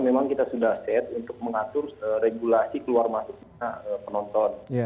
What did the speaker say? memang kita sudah set untuk mengatur regulasi keluar masuknya penonton